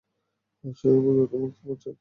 সে যত মুক্তিপণ চায় দিয়ে দাও।